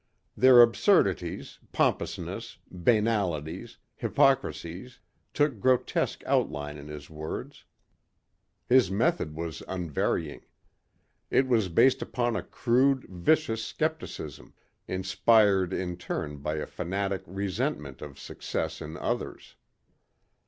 Their absurdities, pompousness, banalities, hypocricies took grotesque outline in his words. His method was unvarying. It was based upon a crude, vicious skepticism, inspired in turn by a fanatic resentment of success in others.